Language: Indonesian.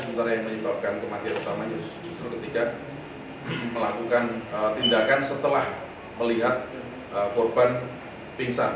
sementara yang menyebabkan kematian utamanya justru ketika melakukan tindakan setelah melihat korban pingsan